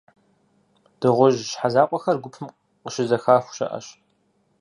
Дыгъужь щхьэ закъуэхэр гупым къыщызэхаху щыӏэщ.